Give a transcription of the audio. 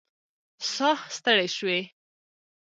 ساه ستړې شوې